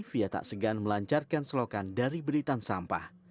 fiia tak segan melancarkan selokan dari belitan sampah